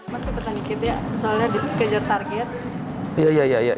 masih bertanggung jawab ya soalnya dikejar target